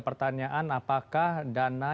pertanyaan apakah dana